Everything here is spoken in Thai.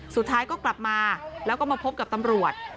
สุดท้ายก็กลับมาแล้วก็มาพบกับตำรวจ